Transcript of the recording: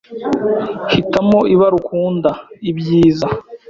Hitamo ibara ukunda ibyiza.